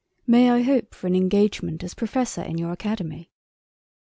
May I hope for an engagement as Professor in your Academy?"